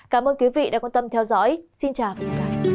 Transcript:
cảm ơn quý vị đã quan tâm theo dõi xin chào và hẹn gặp lại